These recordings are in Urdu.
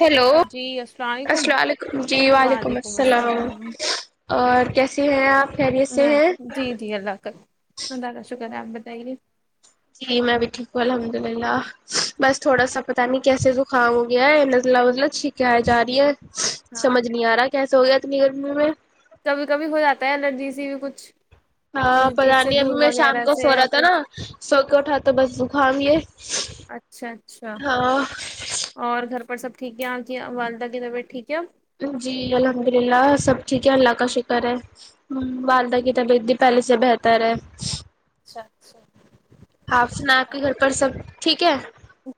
ہیلو ہاں جی السلام علیکم السلام علیکم جی وعلیکم السلام اور کیسی ہیں آپ خیریت سے میں ہیں جی جی اللہ کر اللہ کا شکر گراب بتائیے جی میں بھی ٹھ ہوں الحمد للہ بس تھوڑا سا پتاہ نہیں کیسے زکام ہو گیا ہے نزلہ وزلہ چھکایا جا رہی ہے ہاں سمجھ نہیں آ رہا کیسا ہو گیا ت نہیں اگر م نے کبھی کبھی ہو جاتا ہے الرجی سی بھی کچھ ہاں کسی پتا چیز سے نہیں ابھی دھول میں شام وغیرہ کو سے سو یا رہا تھا نا کچھ سو کے اٹھات تو بس زکام یہ اچھا اچھا ہاں اور گھر پر سب ٹھیک ہے آ ج کی آبدہ گتابٹ ٹھیک ہے جی الحمد للہ سب ٹھیک ہے اللہ کا شکر ہے والدہ کی تبعت بھی پہلے سے بہتر ہے اچھا اچھا ہپ سنا آپ کے گھر پر سب ٹھیک ہے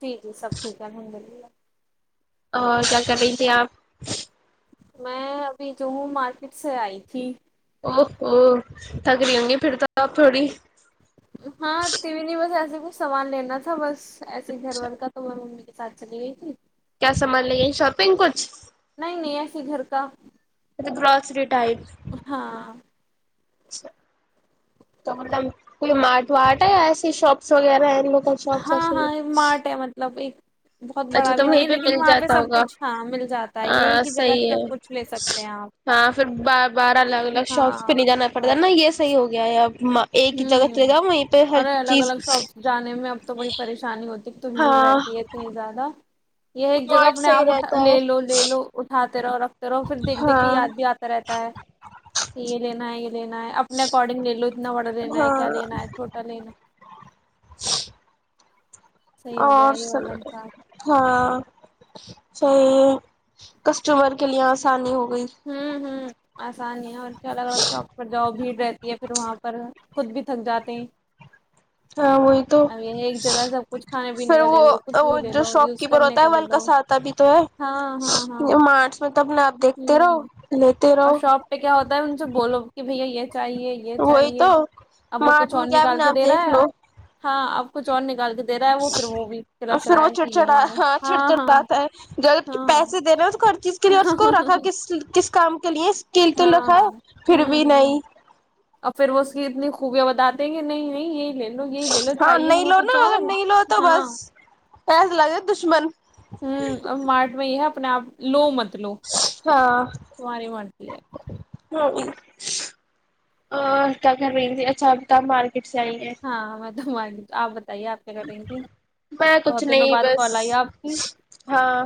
جی جی سب ٹھیک ہے الحمد للہ اور کیا کر رہی تھھی آپ میں ابھی جوہوں مارکیٹ سے آئی تھی او او تھکریی ہوں گی پھر تو آپ تھوڑی وہ سامان لینا تھا بس ایسے گھر اچھا والور کا تو معلوم نئ سات چلی گئی تھی کیا سامان لیگی شاپنگ کچھ نہیں نہیں ایسے گھر کا گروسری ٹائپ ہاں اچھا تو مطلب کوئی مارٹ واٹ ہے یا ایسیے شاپس وغیرہ لوگ ہاں ہاں یہ مارٹ ہے مطلب ایک بہت اچھا بڑا تو بھی نہیں وہیں ہے پہ لیکن مل وہاں پہ جاتا سب ہوگا کچھ ہاں مل جاتا ہے یہی ہاں کی جگہ صحیح سے سب ہے کچھ لے سکتے ہیں آپ ہاں پھر بار الگ الگ شاپس پہ ہاں نہیں جانا پڑتا نا یہ صحیح ہو گیا ہے اب ایک ہی جگہ ہمم چلے جاؤ وہیں پہ ہر ارے الگ چیز الگ شاپس جانے میں اب تو بڑی پریشانی ہوتی ہاں رہتی ہے اتنی زیادہ یہ ایک جگہ مارٹ اپنے صحیح آپ اٹھا رہتا لے ہے لو لے لو اٹھات [unintelligible] رہو پھر دیکھ دیکھ کے ہاں یاد بھی آتا رہتا ہے کہ یہ لینا ہے یہ لینا ہے اپنے اکارڈنگ لے لو تھوڑا لینا ہے ہاں کیا لینا ہے چھوٹا لینا ہے [unintelligible] صحیح ہو گیا اور یہ سب والا حساب ہاں چاہے کسٹمر کے لیے آسانی ہو گئی ہمم ہمم آسان ہے اور الگ الگ شوپس پر جاؤ بھیڑ رہتی ہے پھر وہاں پر خود بھی تھک جاتے ہیں ہاں وہی تو اب یہ ایک جگہ سب کچھ کھانے پینے پھر کا لے وہ لو کچھ وہ بھی لے جو لو شاپ یوز کیپر کرنے ہوتا ہے کا لے لو ولکساتا بھی تو ہے مارٹس میں تو اپنے آپ دیکھتے رہو ہمم لیتے اور رہو شاپ پہ کیا ہوتا ہے ان سے بولو کہ بھیا یہ چاہیے یہ وہی تو چاہیے اب وہ مارٹ کچھ اور میں کیا نکال اپنے کے آپ دے رہا دیکھ ہے لو ہاں آپ کچھ اور نکال کے دے رہا ہے وہ پھر وہ بھی رس پھر رہا وہ ہے کہ یہ چڑچڑا مانگا ہاں چڑ چڑ ہاں لاتا ہے جیسے اس کو ہاں پیسے دینے اس خر چیز کلیئرس کو رکھا کس کس کام کے لیے کے لے تو ہاں لکھا پھر ہوں بھی ہوں نہیں اور پھر وہ اس کی اتنی خوبیاں بتاتےیں گے نہیں نہیں یہ ہاں نہیں لو نا اگر نہیں لو تو ہاں بس ایسے لگے دشمن ہوں مارٹ میں یہ ہے اپنے آپ ل مت م لو تاری مرتی ہے ہاں ا کیا گھر رہ ا چ کا مارک اسی ہے اھ آپ بتائیے آپ کے کریں گی میں کچھ بہت دنوں نہیں بعد بس کال آئی آپ کی ہاں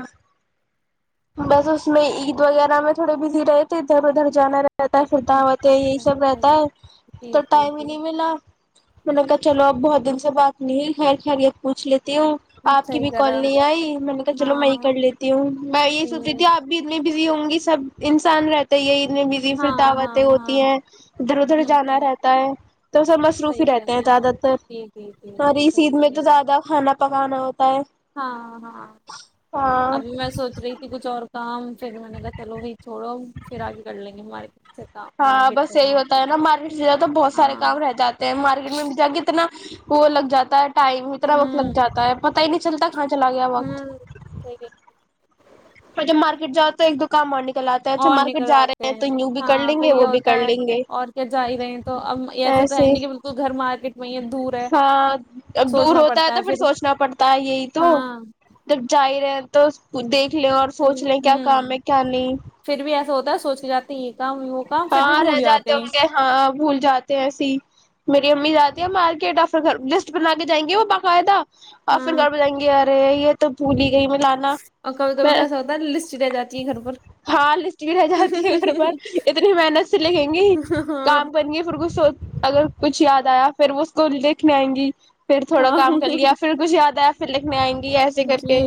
بس اس میں عید وغیرہ میں تھوڑے بزی رہے تھے ادھر ادھر جانا رہ رہتا ستا ہوت یہی اچھا سب اچھا رہتا ہے جی تو جی ٹائم ہی نہیں جی ملا میں نے کہا چلو اب بہت دن سے بات نہیں خیر خیر یہ پوچھ لیتے تی ہوں آپ کی صحیح بھی کال کرا ل آئی میں نے کہا چلو میں ہی کر ہاں لیتی ہوں میں یہ جی سوچتی تھی آپ بھی ات بزی ہوں گی سب انسان رہتا تو یہ اتنی بزی ہاں پھر ہاں دعوتیں ہاں ہوتی ہیں ادھر ادھر ہوں جانا ہوں رہتا ہے تو سب مصروف ہی صحیح کہہ رہتے رہی ہیں آپ زیادہ تر جی جی جی اور جی اس صحیح عید کہہ میں رہی تو ہیں آپ زیادہ کھانا پکانا ہوتا ہے ہاں ہاں ہاں یہ کچھ اور کام پھر میں نے کہا چلو وہی چھوڑو پھر آگے کر لیں گے ہمارے پ ہاں بس یہی ہوتا ہے نا مارکیٹ سے ج تو بہت سارے ہاں کام رہ جاتے مارکیٹ میں بھی جا کے کتنا وہ لگ جاتا ہے ٹائم بھیترا وقت لگ ہوں جاتا ہے پتا ہی نہیں چلتا کہاں چلا گیا وقت ہوں ٹھیک ہے مجھے مارکیٹ جا تو ایک دو کام آک اور نکل آتے ہیں ہاں لیں پھر گے یہ وہ بھی کر ہوتا ہے لیں گے اور کیا جا ہی رہے ہیں تو اب ایسا تو ہے ایسے نہیں کہ بالکل گھر مارکیٹ میں ہی ہے دور ہے ہاں اب دور ہوتا ہے تو پھر سوچنا پڑتا ہے یہی تو ہاں جب ج رہے ہیں تو دیکھ سکھ لیں اور پھر سوچ لیں کیا کام ہوں ہے کیا نہیں پھر بھی ایسا ہوتا ہے سوچ جاتی ہیں کام وہ کام پھر بھی ہاں رہ بھول جاتے ہیں ہوں گے ہاں بھول جاتے ہیں ای سی امی جاتی ہیں مارکیٹ آ پھر گھر لسٹ بنا کے جائیں گے وہ باقاعدہ ہاں [unintelligible] رہ یہ تو پولی اور کبھی کبھی جیسا ہوتا ہے لسٹ چ رہ جاتی ہے گھر پر ہاں لسٹ بھی رہ جاتی ہے گھر پر اتنی محنت سے لگیں گے ہاں کام کریں گے پھر کچھ س اگر کچھ یاد آیا پھر وہ اس کو دیکھنے آئیں گی پھر تھوڑا کام کر ہاں لیا پھر کھیاد آیا س لیککھ میں آیں گے ایسے کر جی کے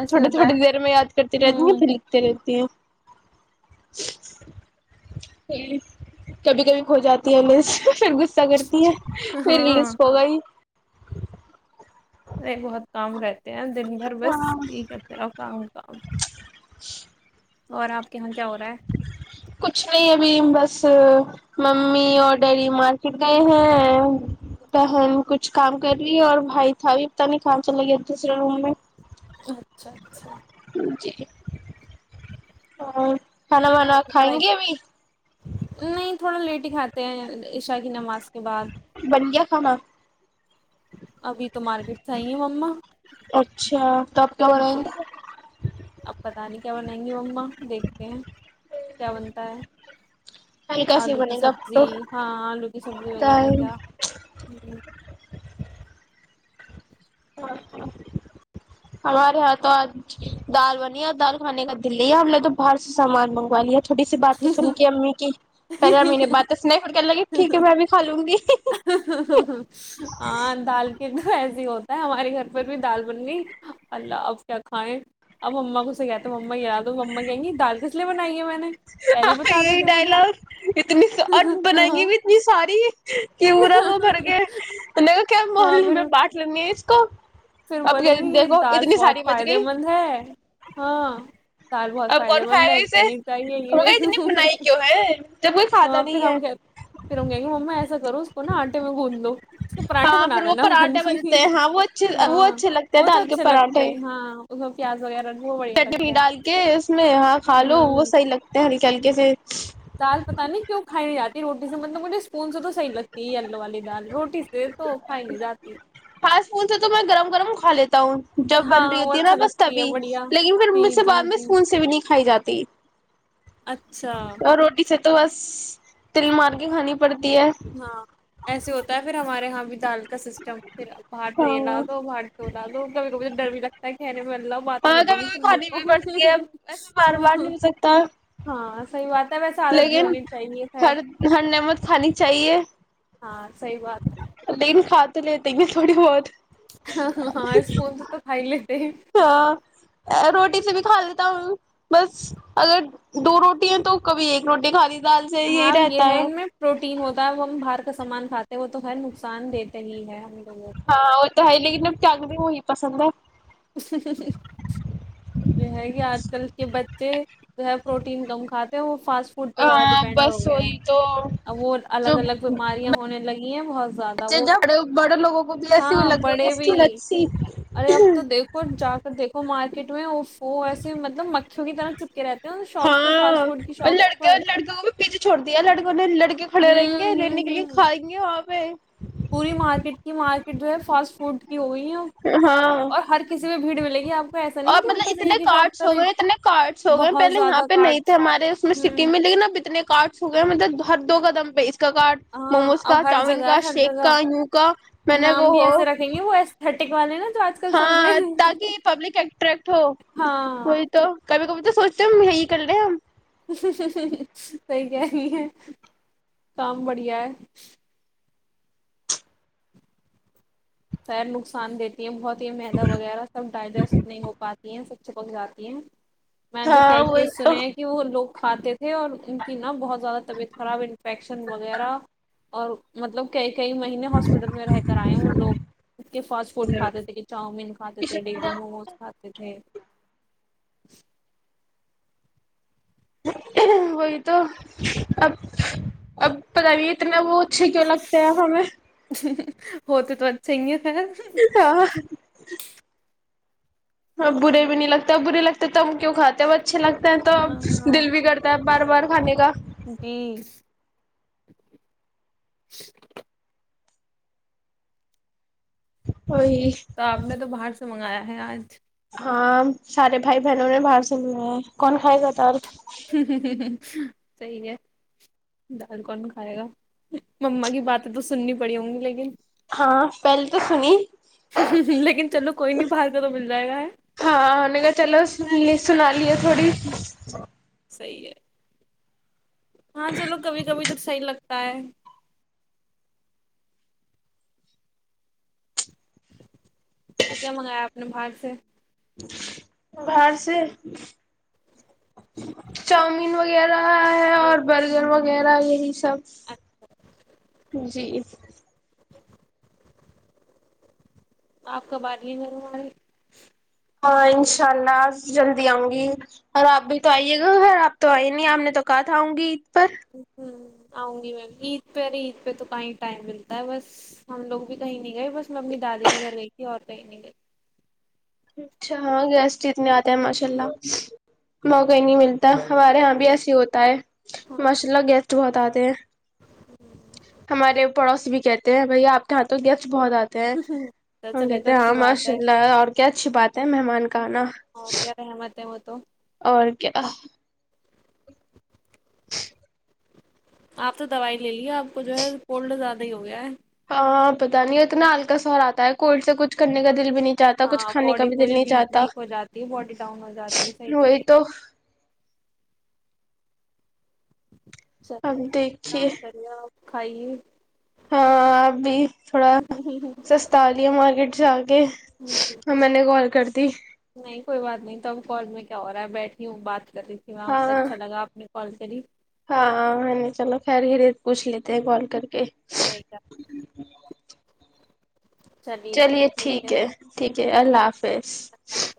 ایسے چھوٹے ہوتا ہے تھھوٹے دیر میں یاد کرتی رہتی ہیں ہوں پھر لکھتے رہتی تی ہیں کبھی کبھی کھو جاتی ہےیں پ غصہ کرتی ہاں [unintelligible] [inaudible] نہیں بہت کام رہتا دن بھر بس یہ کرتے رہاو کام کام [inaudible] اچھ اور آپ کےاں کچھ نہیں ابھی بس ممی اور ڈیری مارکیٹ گئے ہیں بہن کچھ کام کر لی اور بھائی تھا بھی پتا نہیں کہاں چلا گیا دوسرے روم میں اچھا اچھا جی اور کھانا وانا کھائیں پڑھائی گے ابھی نہیں تھوڑا لیٹ کھاتے ہیں عشا کی نماز کے بعد بن گیا کھانا ابھی تو مارکیٹ سے آئی ہے مما اچھا تو آپ کیا بنائیں جی گے اپ ت انک ا نیںو اا دیکھتے ہیں کیا بنتا ہے ہلکا سے آلو کی بنے گا آپ سبزی کو ہاں آلو کی سبزی وغیرہ کیا دال ہمم [inaudible] ہمارے یہاں تو آج دال بنی ہے اور دال کھانے کا دلی ہے ہم نے تو باہر سے سامان منگوا لیا تھھوٹی سی باتیں سن کے ہوں امی کی [unintelligible] ٹھیک ہے میں بھی کھالوں گی ہاں دال کے تو ایسے ہوتا ہے ہم ارے گھر پر بھی دال بن گئی اللہ اب کیا کھائیں اب مما کوے کہ تو مما یاد ہو مما کہیں گی دال کس لیے بنائی ہے میں نے پہلے ہی ہاں بتا یہی دیتے مجھے ڈائلگ اتنی اور ہاں بنائیں گے بھی اتنی ساری کہ پورا وہ بھر گئے تو کیا ہاں محللی میں پھر بانٹ لینے اس کا پھر بولیں گے یہ دال بہت بچ فائدے گئی مند ہے ہاں دال بہت اب فائدے کون مند کھائے ہے گا اسے کھانی چاہیے ہم نے یہ اتنی بنائی کیوں ہے جب کوئی کھاتا ہاں پھر نہیں ہے ہم پھر ہم کہیں گے ما ایسا کرو نا آٹے میں بھوند ہاں پھر وہ پراٹھا بنتے لیے ہیں ہاں وہ اچھے وہ ہاں اچھے لگتے ہیں وہ تو دال کے اچھے پراٹھے لگتے ہیں ہاں پیاز وغیر چٹنی ڈال کے اس میں ہاں کھا لو وہ ہوں صحیح لگتے ہیں ہ تل کے پھر دال پتا نہیں کیوں کھائی نہیں جاتی ہے روٹی سے مطلب مجھے اسپون سے تو صحیح لگتی ہے یلو والی دال روٹی سے یہ تو کائی نہیں جاتی ہوتے تو میں گرم گفم کھا لیتے جاتا ہوں جب بن رہی ہاں وہ ہوتی ہے نا اچھا بس لگتی ہے تبھی بڑھیا لیکن پھر جی مجھ سے جی بعد میں جی اسکون سے بھی نہیں کھائی جاتا تین اچھا اور روٹی سبزی تو بس تل مار کے کھانی پڑتی ہے ہاں ایسے ہوتا ہے پھر ہمارے یہاں بھی دال کا سسٹم پھر باہر ہاں سےہی لا دو ہاں باہر سے اوتار دو کبھی کبھی ڈر بھی لگ [unintelligible] پلہ بات کبھی ملے گی کبھی سننے کھانی بھی کو پڑتی ہے ایسا بار بار نہیں ہو سکتا ہاں صحی بات ہے ویسے عادت بھی لیکن ہونی چاہیے خیر ہر ہر نعمت خانی ہاں صحی بات ہے کھاتے لیتے گے تھوڑی بہت [unintelligible] ہاں ا روٹی کسے بھی کھا لیتا ہوں بس اگر دو روٹیا تو کبھی ایک روٹی کھا لی دال سے یہی ہاں یہ رہتا ہے ان میں پروٹین ہوتا ہے وہ ہم باہر کا سامان کھاتے ہیں وہ تو ہر نقصان دیتے ہی ہے لوگوں کو ہاں وہ تو ہے ہی لیکن اب چنگ بھی وہی پسند ہے یہ ہیں کہ آج کل کے بچ ے جو ہے پروٹین کم کھاتے ہیں وہ فاسٹ فوڈ پہ زیادہ ہاں ڈپینڈ ہو بس گیا وہی تو ا وہ الگ جو الگ بیماریاں ہونے لگی ہیں بہت زیادہ بچے وہ جڑے بڑے لوگوں کو بھی ایسی وہ ہاں لگ گئی ہے بڑے اس کی بھی لت سی ارے اب تو دیکھو جا کر دیکھو مار کٹ میں اف ہیں شاپس پہ ہاں فاسٹ اور فوڈ کی شاپ لڑکے پر لڑکےوں بھی پیچھے چھوڑ دیا لڑکوں نے لڑکے کھڑے رہیں ہوں گے ہوں رہنے کے لیے ہوں کھائیں گے اورپ [unintelligible] پوری مارکیٹ کی مارکیٹ جو ہے فاسٹ فوڈ کی ہو گئی ہے ہاں اور ہر کسی میں بھیڑ ملے گی آپ کو ایسا نہیں اور کہ مطلب بس اتنے ایک ہی شاپ کارڈس پر ہو ہے گئے اتنے کارڈس ہو گئے بہت پہلے زیادہ یہاں پہ نہیں تھے کارٹس ہمارے اس میں سٹی ہوں ملی نہ لیکن اب اتنے کارٹس ہو گئے مطلب ہر دو قدم پہ اس کا ہاں موموز کا اب ہر چاؤمین جگہ کا ہے ہر شیک جگہ کا یوں کا میں نے وہ ٹک والےا [unintelligible] ہاں تاک پبلک اٹریکٹ ہو ہاں کوئی تو کبھی کبھی تو سوچتے ہیے یہی کرلے ہم صی کہ رہی ہے کام بڑھیا ہے خیر نقصان دیتی ہیں بہت میدا وغیرہ سب ڈائجیسٹ نہیں ہو پاتی ہیں سب چپک جاتی ہیں میں نے تو کہ ہاں کے وہی تو سنے ہیں کہ وہ لوگ کھاتے تھے اور ان کی نا بہت زیادہ طبیعت خراب انفیکشن وغیرہ اور مطلب کئی مہینے ہاسپٹل میں رہ کر آئے وہ لوگ اس کے فاسٹ فوڈ کھاتے تھے کہ چاؤمین کھاتے تھے ڈیلی موموز کھاتے تھے [inaudible] وہی تو اب اب پتا نہیں اتنا وہ اچھے کیوں لگتے ہیں ہمیں ہو تو چ [unintelligible] [unintelligible] ہاں [unintelligible] اچھے لگتے ہیں تو دل بھی کرتا ہے بار بار کھانے کا بیس وہی تو آپ نے تو باہر سے منگایا ہے آج سارے بھائی بہنوں نے باہر سے منگایا کون کھائے گا صحیح ہے دال کون کھائے گا مما کی باتیں تو سننی پڑی ہوں گی لیکن ہاں پہلے تو سنی لیکن چلو کوئی نہیں باہر کا تو مل جائے گا ہے ہاں ہم نے کہا چلو سنا یہ تھوڑی صحیح ہے ہاں چلو کبھی کبھی تو صحیح لگتا [unintelligible] تو کیا منگایا آپ اپ نے باہر سے باہر سے چاؤمین وغیرہ ہے اور برگر وغیرہ یہی سب جی [unintelligible] ہاں انشاء اللہ جلدی آؤں گی اور آپ بھی تو آئیے گا گھر آپ تو ائے ہی نہیں آپ نے تو کہا تھا آؤں گی پر [unintelligible] آؤں گی میی عید پر ارے عید پے تو ٹائم ملتا ہے بس ہم لوگ بھی کہیں نہیں گئے بس میں اپنے دادی کے گھر گئی تھی اور کہی نہیں گئی اچھا ہاں گیسٹ جتنے آتے ہوں ماشاءاللہ موقع ہی نہیں ملتا ہمارے یہاں بھی ایس ہی ہوتا ہے ماشاء اللہ گیسٹ بہت آتے ت [unintelligible] ہمارے پڑوس بھی کہتے ہیں بھائی آپ کے ہاتھوں گیا بہت آتے ہیں تو ہم چلیے کہتے تو ہیں ہاں اچھی بات ماشاء اللہ اور کیا اچھی بات ہے مہمان کا آنا ہ کیا ہے مت ہے م تو [unintelligible] اور کیا آپ تو دوائی لے لی ہے آپ کو جو ہے کولڈ زیادہ ہی ہو گیا ہے ہاں پتہ نہیں ہے اتنا ہلکا سہر آتا ہے کولڈ سے کچھ کرنے کا دل بھی نہیں چاہتا کچھ ہاں کھانے کا باڈی بھی دل پوری نہیں ویک چاہتا ویک ہو جاتی ہے باڈی ڈاؤن ہو جاتی ہے صحیح کہہ وہی رہی تو اب چلیے کام دیکھیے کرے کھائیے ہاں آپ بھی تھوڑا سستا لیا مارکیٹ جب [inaudible] میں نے کال کرتی نہیں کوئی بات نہیں تب کال میں کیا ہو رہا ہے بیٹھی ہوں بات ی تھی وہاں ہاں سے اچھا لگاپ نے کال کری ہاں میں نے چلو خیر ہی پوچھ لیتے ہیں کال کر کے [unintelligible] چلیے ٹھیک ہے ٹھیک اللہ حافظ اللہ حافظ